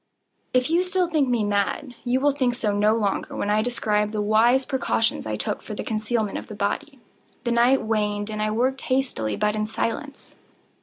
If still you think me mad, you will think so no longer when I describe the wise precautions I took for the concealment of the body. The night waned, and I worked hastily, but in silence.